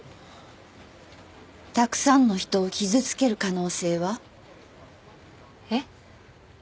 たくさんの人を傷つける可能性は？えっ？